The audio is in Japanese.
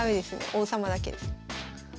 王様だけです。